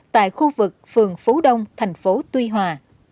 tại khu vực phường phú đông thành phố tuy hòa